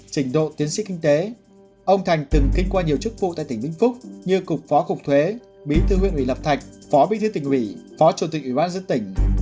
trình độ tiến sĩ kinh tế ông thành từng kinh qua nhiều chức vụ tại tỉnh vĩnh phúc như cục phó cục thuế bí thư huyện ủy lập thạch phó bí thư tỉnh ủy phó chủ tịch ủy ban dân tỉnh